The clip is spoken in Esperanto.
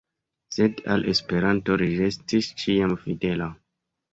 Sed al Esperanto li restis ĉiam fidela.